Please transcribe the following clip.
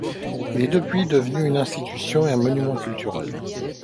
Il est depuis devenu une institution et un monument culturel.